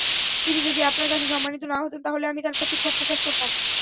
তিনি যদি আপনার কাছে সম্মানিত না হতেন তাহলে আমি তাঁর প্রতি ক্ষোভ প্রকাশ করতাম।